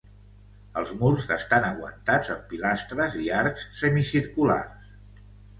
Els murs estan aguantats amb pilastres i arcs semicirculars.